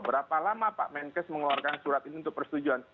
berapa lama pak menkes mengeluarkan surat ini untuk persetujuan